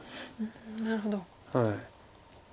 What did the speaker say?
なるほど。